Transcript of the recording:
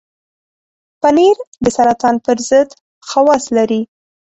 پنېر د سرطان پر ضد خواص لري.